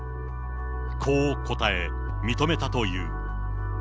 こう答え、認めたという。